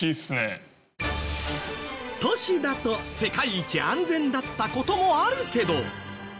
都市だと世界一安全だった事もあるけど。